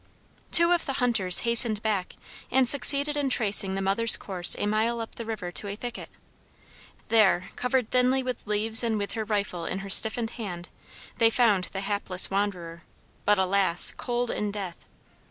Two of the hunters hastened back and succeeded in tracing the mother's course a mile up the river to a thicket; there, covered thinly with leaves and with her rifle in her stiffened hand, they found the hapless wanderer, but alas! cold in death.